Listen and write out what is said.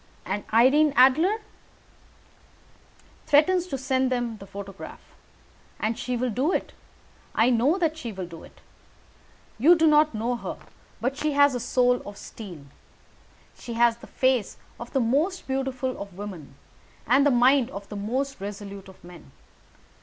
"And Irene Adler?" "Threatens to send them the photograph. And she will do it. I know that she will do it. You do not know her, but she has a soul of steel. She has the face of the most beautiful of women and the mind of the most resolute of men.